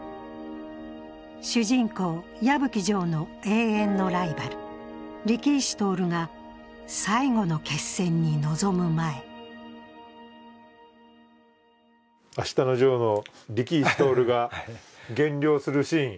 主人公・矢吹丈の永遠のライバル、力石徹が最後の決戦に臨む前「あしたのジョー」の力石徹が減量するシーン。